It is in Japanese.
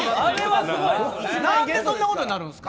何でそんなことになるんですか。